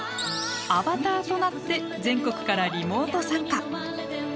アバターとなって全国からリモート参加。